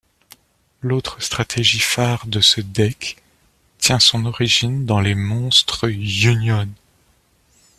L'autre stratégie phare de ce Deck tient son origine dans les monstres Union.